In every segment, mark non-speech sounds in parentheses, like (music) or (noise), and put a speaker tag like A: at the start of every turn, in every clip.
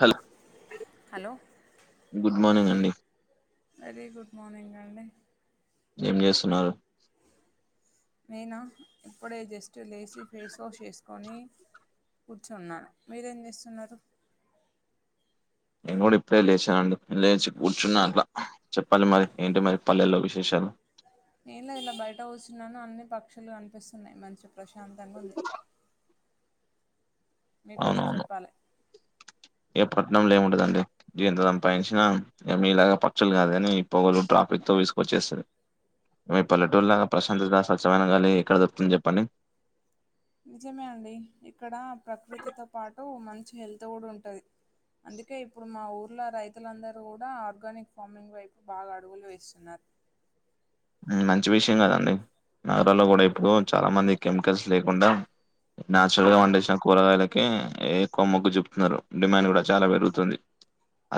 A: Hello
B: hello
A: good morning అండి
B: very good morning అండి
A: ఏం చేస్తున్నారు
B: నేను ఇప్పుడే జస్ట్ లేచి ఫేస్ వాష్ చేసుకొని కూర్చున్నా మీరేం చేస్తున్నారు
A: నేను కూడా ఇప్పుడే లేచా అండి లేచి కూర్చున్న అట్ల చెప్పాలి మరి ఏంటి మరి పల్లెల్లో విశేషాలు
B: ఏం లేదు ఇలా బయట వచున్నాను అన్ని పక్షులు కనిపిస్తున్నాయి మంచి ప్రశాంతంగా ఉంది
A: కా
B: మీ గురించి చెప్పాలే
A: ఏ పట్నంలో ఏముంటదండి ఎంత సంపాయించిన, ఇగ మీలాగా పక్షులు కాదు కాని ఈ పొగలు, ట్రాఫిక్ తో విసుకొచ్చేస్తాది. అదే పల్లెటూరి లాగా ప్రశాంతతగా స్వచ్ఛమైన గాలి ఎక్కడ దొరుకుతుంది చెప్పండి
B: నిజమే అండి ఇక్కడ ప్రకృతితో పాటు మంచి హెల్త్ కూడా ఉంటది అందుకే ఇప్పుడు మా ఊర్లో రైతులందరూ కూడా ఆర్గానిక్ ఫార్మింగ్ వైపు బాగా అడుగులు వేస్తున్నారు
A: మంచి విషయం కదండి నగరాంలో కూడా ఇప్పుడు చాలా మంది కెమికల్స్ లేకుండా న్యాచురల్ గా పండించిన కూరగాయల కే ఎక్కువ మొగ్గు చూపుతున్నారు డిమాండ్ కూడా చాలా పెరుగుతుంది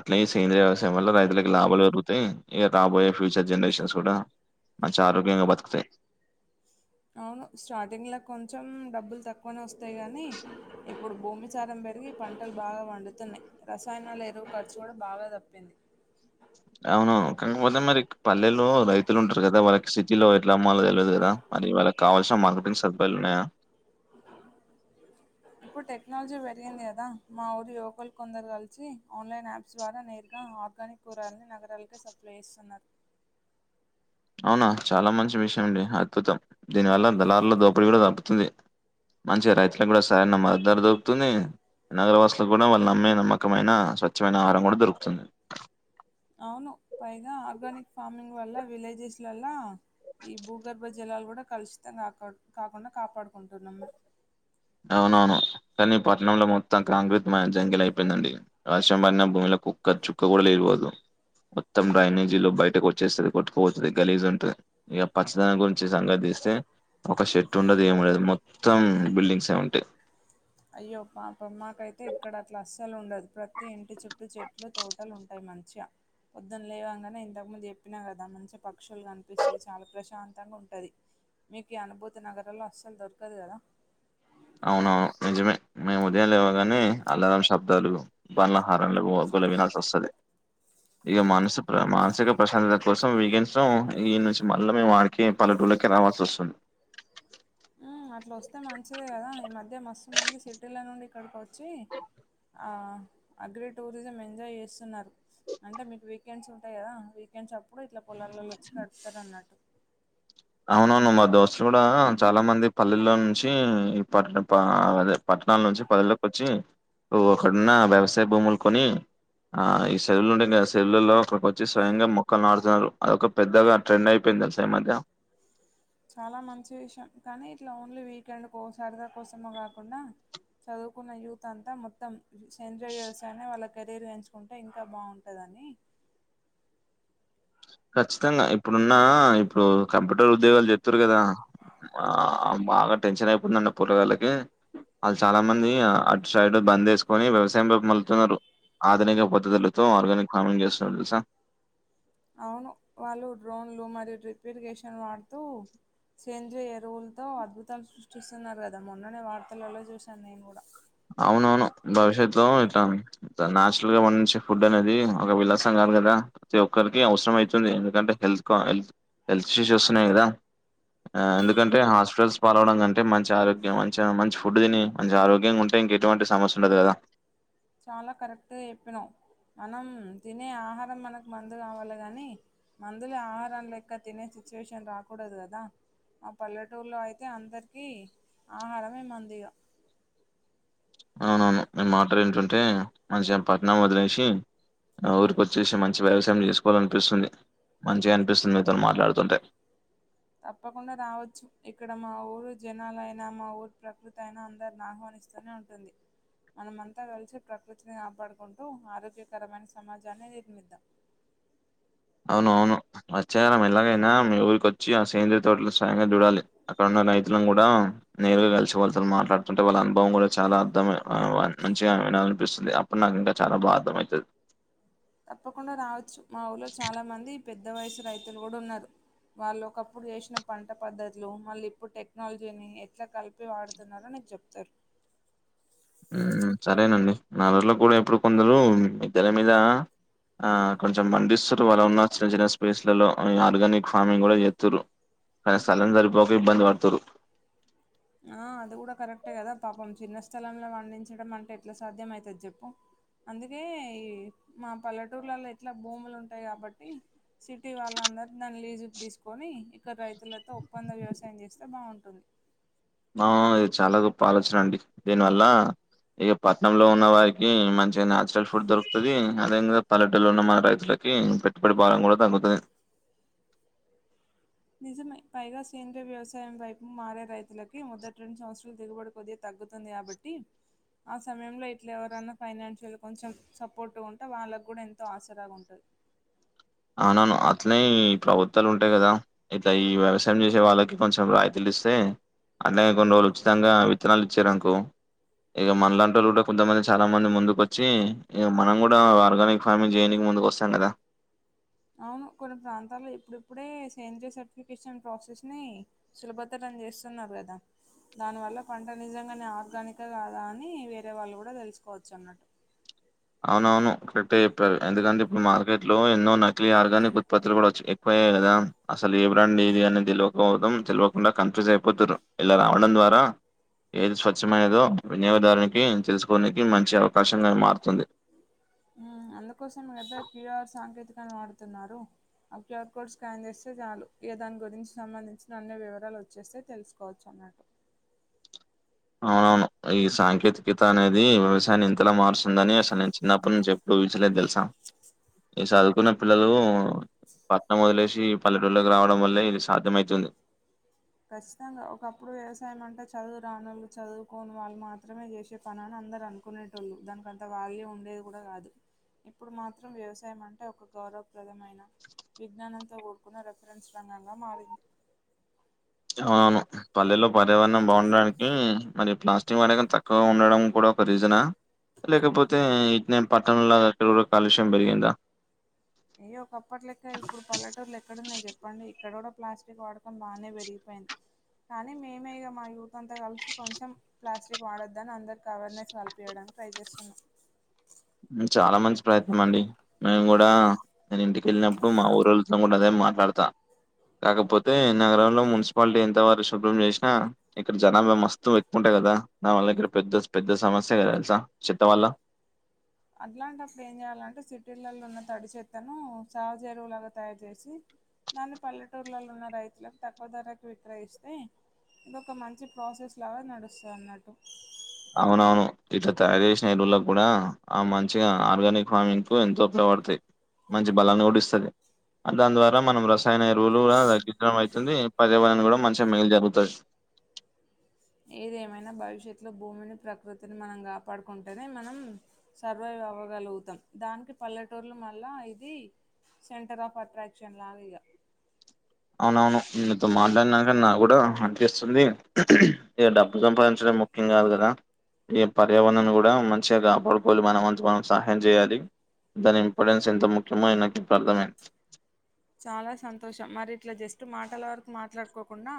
A: అట్లే ఈ సేంద్రీయ వ్యవసాయం వల్ల రైతులకు లాభాలు పెరుగుతాయి ఇక రాబోయే ఫ్యూచర్ జనరేషన్స్ కూడా మంచి ఆరోగ్యంగా బతుకుతే
B: అవును స్టార్టింగ్ లో కొంచెం డబ్బులు తక్కువనే వస్తాయి గానీ ఇప్పుడు భూమి ప్రచారం పెరిగి పంటలు బాగా వండుతున్నాయి రసాయనాలు ఎరువు ఖర్చు కూడా బాగా తప్పింది
A: అవునువును కాకపోతే మరి పల్లెల్లో రైతులు ఉంటారు కదా వాళ్ళకి సి కిలో ఎట్లా అమ్మాలో తెలియదు కదా మరి వాళ్ళకి కావల్సిన మార్కెంగ్ సదుపాయాలున్నాయా
B: ఉ ఇప్పుడు టెక్నాలజీ పెరిగింది కదా మా ఊరి యువకుల కొందరు కలిసి ఆన్లైన్ యాప్స్ ద్వారా నేర్గా ఆర్గానిక్ కూరగాయలు నగరాలకే సప్లై చేస్తున్నారు
A: అవునా చాలా మంచి విషయం అండి అద్భుతం దీనివల్ల దళారుల దోపిడీ కూడా తగ్గుతుంది మంచిగ రైతులకు కూడా సరైన మద్దతు ధర దొరుకుతుంది నగర వాసులకు కూడా వాళ్ళు నమ్మే నమ్మకమైన స్వచ్ఛమైన ఆహారం కూడా దొరుకుతుంది
B: అవును పైగా ఆర్గానిక్ ఫార్మింగ్ వల్ల విలేజెస్లల్లా ఈ భూగర్భ జలాలు కూడా కలుషితం కా కాకుండా కాపాడుకుంటున్నాం మీము
A: అవునవును కానీ పట్టణంలో మొత్తం కాంట్రాక్ట్ మయం జంగిల్ అయిపోయిందండి. వర్షం పడిన భూమిలోకు చుక్క కూడ నీళ్లు పోవు మొత్తం డ్రైనేజీ లో బయటకు వచ్చేస్తుంది కొట్టుకుపోతుంది గలీజ్ ఉంటది ఇగ పచ్చదనం గురించి సంగతి తీస్తే ఒక షెట్ ఉండదు ఏముండదు మొత్తం బిల్డింగ్స్ ఏ ఉంటాయి
B: అయ్యో పాపం మాకైతే ఇక్కడ అట్లా అస్సలు ఉండదు ప్రతి ఇంటి చుట్టూ చెట్లు తో టలు ఉంటాయి మంచిగా పొద్దున్న లేవంగానే ఇంతకుముందు చెప్పినా కద మంచిగా పక్షులు కనిపిస్తాయ్ చాలా ప్రశాంతంగా ఉంటది మీకు ఈ అనుభూతి నగరంలో అస్సలు దొరకదు కదా
A: అవునవును నిజమే మేము ఉదయం లేవగానే అల్లారం శబ్దాలు బండ్ల హారన్లు ఒగులే వినాల్సి వస్తది ఇక మనసు ప్ర మానసిక ప్రశాంతత కోసం వీకెండ్లో ఈ నుంచి మళ్ళా మేము ఆడి కే పల్లెటూళ్ళకే రావల్సి వస్తది
B: మ్ అట్లా వస్తే మంచిదే కదా ఈ మధ్య మస్తు మంది సిటీల నుండి ఇక్కడికి వచ్చి ఆ అగ్రే టూరిజం ఎంజాయ్ చేస్తున్నారు అంటే మీకు వీకెండ్స్ ఉంటాయి కదా వీకెండ్స్ అప్పుడు ఇట్లా పొలాలలో వచ్చి గడుప్తారన్నట్టు
A: అవునవును మా దోస్తులు కూడా చాలా మంది పల్లెల్లో నుంచి ఈ పట్నం పా అదే పట్టణాల నుంచి పల్లెలో కొచ్చి ఒకడున్న వ్యవసాయ భూములు కొని ఆ ఈ చేలు ఉంటుంటే ఆ చేలల్లో అక్కడకొచ్చి స్వయంగా మొక్కలు నాటుతున్నారు అదొక పెద్దగా ట్రెండ్ అయిపోయింది తెలుస ఈ మధ్య
B: చాలా మంచి విషయం కానీ ఇట్లా ఓన్లీ వీకెండ్కో సరద కోసమో కాకుండా చదువుకున్న యూత్ అంతా మొత్తం సేంద్రీయ వ్యవసాయాన్ని వాళ్ళ కెరీర్ ఎంచుకుంటే ఇంకా బావుంటదని
A: ఖచ్చితంగా ఇప్పుడున్న ఇప్పుడు కంప్యూటర్ ఉద్యోగాలు చెత్తురు కదా ఆ బాగా టెన్షన్ అయిపోందండి పూరగాళ్ళకి ఆళ్ చాలా మంది అటు సైడ్ బందేసుకొని వ్యవసాయంలోకి మళ్లుతున్నారు ఆధునిక పద్ధతులతో ఆర్గానిక్ ఫార్మింగ్ చేస్తున్నరు తెలుసా
B: అవును వాళ్ళు డ్రోన్లు మరియు డ్రిప్ఇరిగేషన్ వాడుతూ సేంద్రీయ ఎరువులతో అద్భుతాలు సృష్టిస్తున్నారు కదా మొన్ననే వార్తలలో చూశాను నేను కూడా
A: అవునవును భవిష్యత్లో ఇటామి ద నేచురల్గా మంచి ఫుడ్ అనేది ఒక విలాసం కాదు కదా ప్రతి ఒక్కరికి అవసరం అయితుంది ఎందుకంటే తెలుసుకోవాలి హెల్త్ ఇష్యూస్ వస్తున్నాయి కదా ఆ ఎందుకంటే హాస్పిటల్స్ పాల్వడం కంటే మంచి ఆరోగ్యం మంచి మంచిగా ఫుడ్ తిని మంచి ఆరోగ్యం ఉ ఇంక ఇటువంటి సమస్య ఉండదు కదా
B: చాలా కరెక్ట్ చెప్పినవ్ మనం తినే ఆహారం మనకు మందు కావాలె కని మందులే ఆహారం లెక్క తినే సిచ్యువేషన్ రాకూడదు కదా ఆ పల్లెటూర్లో అయితే అందరికీ ఆహారమే మందిగా
A: అవునవును మీ మాటలు ఇంటుంటే మంచిగా పట్నం వదిలేసి ఊరికొచ్చేసి మంచి వ్యవసాయం చేసుకోవాలనిపిస్తుంది మంచిగా అనిపిస్తుంది మీతోని మాట్లాడుతుంటే
B: తప్పకుండా రావచ్చు ఇక్కడ మా ఊరు జనాలయినా మా ఊరు ప్రకృతి అయినా అందరిని ఆహ్వానిస్తూనే ఉం టుంది మనమంతా కలిసి ప్రకృతిని కాపాడుకుంటూ ఆరోగ్యకరమైన సమాజాన్ని నిర్మిద్దాం
A: అవును అవును వచ్చే వారం ఎలాగైనా మీ ఊరికొచ్చి ఆ సేంద్రియ తోటలు స్వయంగా చూడాలి అక్కడున్న రైతులను కూడా నేరుగా కలిసి వాళ్ళతోని మాట్లాడ్ తుంటే వాళ్ళ అనుభవం కూడా చాలా అర్థమే మంచిగా వినాల అనిపిస్తుంది అప్పుడు నాకు ఇంకా చాలా బా అర్థమయితది
B: తప్పకుండా రావచ్చు మా ఊరిలో చాలా మంది పెద్ద వయసు రైతులు కూడా ఉన్నారు వాళ్ళు ఒకప్పుడు ఎసిన పంట పద్ధతులు మళ్ళీ ఇప్పుడు టెక్నాలజీని ఎట్లా కలిపి వాడుతున్నారో నీకు చెప్తారు
A: ఊమ్ సరేనండి మనూర్లో కూడా ఎప్పుడు కొందరు మిద్దెల మీద ఆ కొంచెం పండిస్తురు వాళ్ళు ఉన్న చిన్న చిన్న స్పేస్లల్లో ఆర్గానిక్ ఫార్మింగ్ కూడా చేత్తురు కానీ స్థలం సరిపోక ఇబ్బంది పడుతురు
B: ఆ అది కూడా కరెక్టే కదా పాపం చిన్న స్థలంలో వండించడం అంటే ఎట్లా సాధ్యం అయితది చెప్పు అందుకే ఈ మా పల్లెటూర్లలో ఎట్లా భూములు ఉంటాయి. కాబట్టి సిటీవాళ్ళ అందరూ దాన్ని లీజ్ కు తీసుకొని ఇక్కడ రైతులతో ఒప్పంద వ్యవసాయం చేస్తే బాగుంటుంది.
A: ఆ ఆ ఇది చాలా గొప్ప ఆలోచన అండి దీనివల్ల ఇక పట్నంంలో ఉన్న వారికి మంచిగా నేచురల్ ఫుడ్ దొరుకుతది అదేంవిధంగా పల్లెటూలో ఉన్న మన రైతుల పెట్టుబడి భారం కూడా తగ్గుతది
B: నిజమే పైగా సేంద్రయ వ్యవసాయం వైపు మారే రైతులకి మొదటి రెండు సంవత్సరాలు దిగుబడు కొద్దిగా తగ్గుతుంది. కాబట్టి ఆ సమయంలో ఇట్లా ఎవరన్నా ఫైనాన్షియల్ గా కొంచెం సపోర్ట్ గుంటే వాళ్ళకి కూడా ఎంతో ఆసరాగా ఉంటది.
A: అవునవును అట్నే ఈ ప్రభుత్వాలు ఉంటాయి. కదా ఇయితే ఈ వ్యవసాయం చేసే వాళ్ళకి కొంచెం రాయితీలు ఇస్తే అలాేగే కొన్ని రోజు ఉచితంగా విత్తనాలు ఇచ్చారనుకో ఇగ మనలాంటోల్లు కూడా కొంతమంది చాలా మంది ముందుకొచ్చి ఇగ మనం కూడా ఆర్గానిక్ ఫార్మింగ్ చేయానికి ముందుకు వస్తాం కదా
B: అవును కొన్ని ప్రాంతాల్లో ఇప్పుడిప్పుడే సేంద్రియ సర్టిఫికేషన్ ప్రాసెస్ ని సులభతరం చేస్తున్నారు. కదా దానివల్ల పంట నిజంగానే ఆర్గానిక్ ఆ కాదా అని వేరే వాళ్ళు కూడా తెలుసుకోవచ్చు అన్నట్టు
A: అవునవును కరెక్ట్ చెప్పారు. ఎందుకంటే ఇప్పుడు మార్కెట్ లో ఎన్నో నకిలీ ఆర్గానిక్ ఉత్పత్తులు కూడా వచ్చినాయి పోయాయి కదా అసలు ఏ బ్రాండ్ ఇది అని తెలియకపోవడం తెలియకుండా కన్ఫ్యూజ్ అయిపోతుంరూ ఇలా రావడం ద్వారా ఏది స్వచ్ఛమైనదో వినియోగదారునికి తెలుసుకోనికి మంచి అవకాశంగా ఇది మారుతుంది.
B: ఊమ్, అందుకోసం కదా క్యుఆర్ సాంకేతికను వాడుతున్నారు. ఆ క్యూఆర్ కోడ్ స్కాన్ చేస్తే చాలు ఏ దాని గురించి సంబంధించిన అన్ని వివరాలు వచ్చేస్తే తెలుసుకోవచ్చు అన్నట్టు
A: అవునవును, ఈ సాంకేతికత అనేది వ్యవసాయాన్ని ఇంతలా మారుస్తుందని అసలు నేను చిన్నప్ప నుంచి చెప్ చూపించలేద్ తెలుసా ఈ చదువుకున్న పిల్లలు పట్నం వదిలేసి పల్లెటూర్లకి రావడం వల్లే ఇది సాధ్యమైతుంది.
B: ఖచ్చితంగా ఒకప్పుడు వ్యవసాయం అంటే చదువు రానోళ్ళు చదువుకోని వాళ్ళు మాత్రమే చేసే పనాని అందరు అనుకునేటోళ్ళు దాని కంత వాల్యూ ఉండేది కూడా కాదు ఇప్పుడు మాత్రం వ్యవసాయం అంటే ఒక గౌరవప్రదమైన విజ్ఞానంతో కూడుకున్న రెఫరెన్స్ రంగంగా మారింది.
A: అవును, పల్లెలో పర్యావరణం బాగుండడానికి మరి ప్లాస్టిక్ వాడకం తక్కువ ఉండడం కూడా ఒక రీజనా లేకపోతే ఇట్నే పట్టణంలో లాగ అక్కడ కూడా కాలుష్యం పెరిగిందా
B: ఏ ఒకప్పట్లెక్క ఇప్పుడు పల్లెటూర్లు ఎక్కడున్నాయి చెప్పండి. ఇక్కడ కూడా ప్లాస్టిక్ వాడకం బాగానే పెరిగిపోయింది. కానీ మేమే ఇగ మా యూత్ అంతా కలిసి కొంచెం ప్లాస్టిక్ వాడొద్దని అందరికీ అవేర్నెస్ కలిపియడానికి ట్రై చేస్తున్నాను.
A: చాలా మంచి ప్రయత్నం అండి. మేము కూడా నేను ఇంటికెళ్ళినప్పుడు మా ఊరోళ్ళతో కూడా అదే మాట్లాడతా. కాకపోతే నగరంలో మున్సిపాలిటీ ఎంత వరకి శుభ్రం చేసినా ఇక్కడ జనాభా మస్తుం ఎక్కుంటది కదా దానీ వల్ల ఇక్కడ పెద్ద పెద్ద సమస్య కదా తెలుసా చెత్త వల్ల
B: అట్లాంటప్పుడు ఏం చేయాలంటే సిటీలలో ఉన్న తడి చెత్తను సహజ ఎరువులాగా తయారు చేసి దాన్ని పల్లెటూర్లలో ఉన్న రైతులకు తక్కువ ధరకి విక్రయిస్తే, ఇదొక మంచి ప్రాసెస్ లాగా నడుస్తదన్నట్టు.
A: అవునవును ఇట్లా తయారు చేసిన ఎరువుల్లో కూడా ఆ మంచిగా ఆర్గానిక్ ఫార్మింగ్ కు ఎంతో ఉపయోగపడతాయి. మంచి బలాన్ని కూడా ఇస్తాది దాని ద్వారా మనం రసాయన ఎరువులు కూడా తగ్గించడం ఐతుంది. పర్యావరణం కూడా మంచిగా మేలు జరుగుతది.
B: ఏది ఏమైనా భవిష్యత్తులో భూమిని ప్రకృతిని మనం కాపాడుకుంటేనే మనం సర్వైవ్ అవ్వగలుగుతాం దానికి పల్లెటూర్లు మళ్ళా ఇది సెంటర్ ఆఫ్ అట్రాక్షన్ లాగ ఇగ
A: అవునవును నీతో మాట్లాడినాక నా కూడా అన్పిస్తుంది ఇ డబ్బు సంపాదించడం ముఖ్యం కాదు కదా ఈ పర్యావరణాన్ని కూడా మంచిగా కాపాడుకోవాలి మన వంతు మనం సహాయం చెయ్యాలి దాని ఇంపార్టెన్స్ ఎంత ముఖ్యమో అని నాకిప్పుడు అర్థమైంద్
B: చాలా సంతోషం మరి ఇట్లా జస్ట్ మాటల వరకు మాట్లాడుకోకుండా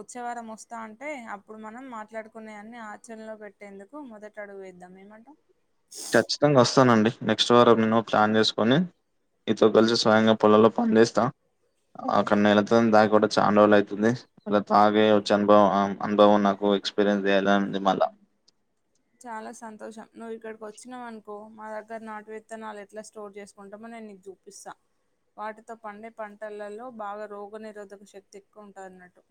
B: వచ్చే వారం వస్తా అంటే అప్పుడు మనం మాట్లాడుకునే అన్ని ఆచరణలో పెట్ ట్టేందుకు మొదట అడుగు వేద్దాం ఏమంటావ్?
A: ఖచ్చితంగా వస్తానండి నెక్స్ట్ వారం నో ప్లాన్ చేసుకొని ఈతొకల్సి స్వయంగా పొలాల్లో పనిచేస్తా అక్కడ నేళ్లతోని దాకొ కూడా చాన్రోజులు అయితుంది అళ్ల తాగే వచ్చి అనుభవం అనుభవం నాకు ఎక్స్పీరియన్స్ చేయాలనుంది మళ్ళా
B: చాలా సంతోషం నువ్వు ఇక్కడికి వచ్చినావనుకో మా దగ్గర నాటు విత్తనాలు ఎట్లా స్టోర్ చేసుకుంటామో నేన్ నీక్ చూప్ పిస్సా వాటితో పండే పంటలలో బాగా రోగనిరోధక శక్తి ఎక్కువ ఉంటది అన్నట్టు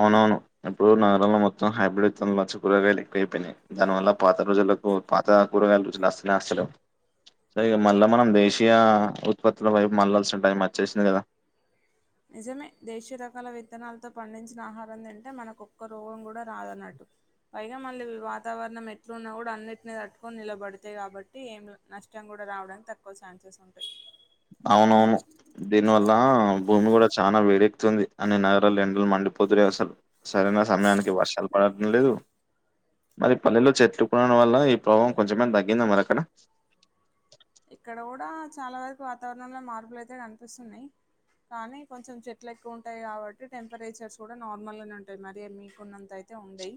A: అవునవును ఇప్పుడు నగరంలో మొత్తం హైబ్రిడ్ విత్తనాల చుక్కుడుకాయలు ఎక్కువైపోనాయ్ దాని వల్ల పాత రోజులకు పాత కూరగాయలు రుచులు అస్తలేవ్ సరే ఇక మళ్ళా మనం దేశీయ ఉత్పత్తుల వైపు మళ్ళాల్సి టైం వచ్చేసింది కదా
B: నిజమే దేశీయ రకాల విత్తనాలతో పండించిన ఆహారం తింటే మనకు ఒక్క రోగం కూడా రాదన్నట్టు పైగా మళ్ళీ వాతావరణం ఎట్లున్నా కూడా అన్నిట్ని తట్టుకొని నిలబడతాయి కాబట్టి ఏం లా నష్టం కూడా రావడానికి తక్కువ ఛాన్సెస్ ఉంటాయ్
A: అవునవును దీని వల్ల భూమి కూడా చానా వేడెక్కుతుంది అన్ని నగరాల్లో ఎండలు మండిపోతున్నాయి అసలు సరైన సమయానికి వర్షాలు పడటం లేదు మరి పల్లెలో చెట్లు పెరగడం వల్ల ఈ ప్రభావం కొంచెమైనా తగ్గిందా మరి అక్కడ
B: ఇక్కడ కూడా చాలా వరకు వాతావరణంలో మార్పులు ఐతే కనిపిస్తున్నాయ్ కానీ కొంచెం చెట్లు ఎక్కువ ఉంటాయి కాబట్టి టెంపరేచర్స్ కూడా నార్మల్గానే ఉంటాయి మరి మీకున్నంతై తే ఉండయ్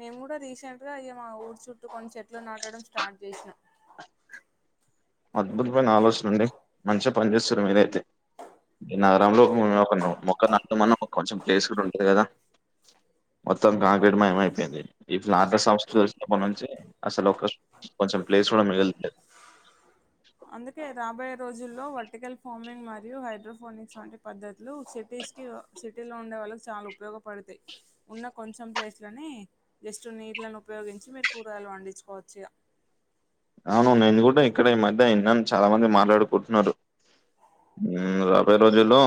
B: మేము కూడా రీసెంట్ గా ఇగ మా ఊరు చుట్టూ కొన్ని చెట్లు నాటడం స్టార్ట్ చేసినాం
A: అద్భుతమైన ఆలోచన ఉండి మంచిగా పని చేస్తురు మీరైతే నగరంలో మొక్క నాడుమన్న కొంచెం ప్లేస్ కూడా ఉంటది కదా మొత్తానికి కాంక్రీట్ మైమైపోయింది ఈ ఫ్లాత సంస్కృతి వచ్చినప్పడ్నుంచి నుంచి అసలు ఒక కొంచెం ప్లేస్ కూడా మిగలట్లేదు
B: అందుకే రాబోయే రోజుల్లో వర్టికల్ ఫార్మింగ్ మరియు హైడ్రోఫోనిక్స్ వంటి పద్ధతులు సిటీస్ కి సిటీలో ఉండే వాళ్ళకి చాలా ఉపయోగపడతాయ్ ఉన్న కొంచెం ప్లేస్లన్ జస్ట్ నీళ్లను ఉపయోగించి మీరు కూరగాయలు పండించుకోవచ్చు ఇగ
A: అవును నేను కూడా ఇక్కడే ఈ మధ్య ఇన్నాన్ చాలా మంది మాట్లాడుకుంటున్నారు ఉమ్ రాబయే రోజుల్లో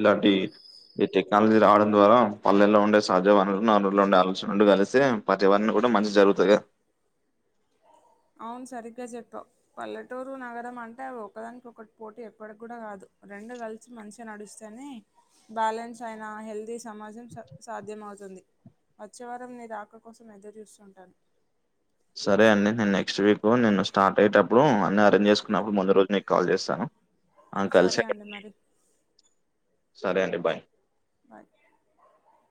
A: ఇలాంటి టెక్ టెక్నాలజీ రావడం ద్వారా పల్లెల్లో ఉండే సహజ వనరులు ఉండే ఆలోచన కలిసి పర్యావరణ కూడా మంచి జరుగుతది
B: అవును సరిగ్గా చెప్పావ్ పల్లెటూరు నగరం అంటే ఒకదానికి ఒకటి పోటీ ఎప్పటికి కూడా కాదు రెండు కల్ ల్సి మంచిగా నడిస్తేనే బ్యాలెన్స్ అయిన హెల్తీ సమాజం స సాధ్యం అవుతుంది వచ్చేవారం నీ రాక కోసం ఎదురు చూస్తుంటాను
A: సరే అండి నేను నెక్స్ట్ వీక్ నేను స్టార్ట్ అయ్యేటప్పుడు అన్ని అరేంజ్ చేసుకున్నప్పుడు ముందు రోజు నీకు కాల్ చేస్తాను ఆ కల్సే
B: సరే
A: అండి
B: మరి
A: (inaudible) సరే అండి బాయ్
B: పద్ది